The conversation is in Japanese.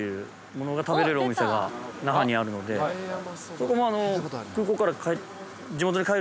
そこも。